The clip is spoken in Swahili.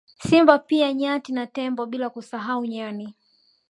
Simba pia nyati na tembo bila kusahau nyani